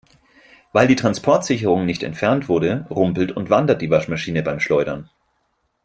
Weil die Transportsicherung nicht entfernt wurde, rumpelt und wandert die Waschmaschine beim Schleudern.